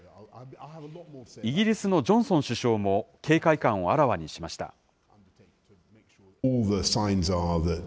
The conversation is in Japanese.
イギリスのジョンソン首相も、警戒感をあらわにしました。